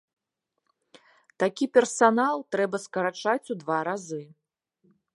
Такі персанал трэба скарачаць у два разы.